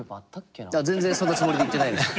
全然そんなつもりで言ってないです。